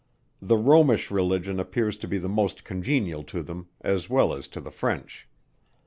The Romish religion appears to be the most congenial to them, as well as to the French.